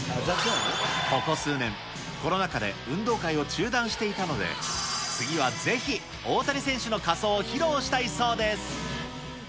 ここ数年、コロナ禍で運動会を中断していたので、次はぜひ大谷選手の仮装を披露したいそうです。